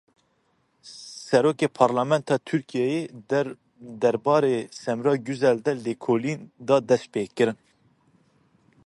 Serokê Parlamentoya Tirkiyeyê, derbarê Semra Guzelê de lêkolîn da destpêkirin.